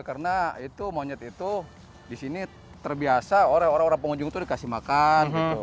karena itu monyet itu disini terbiasa orang orang pengunjung itu dikasih makan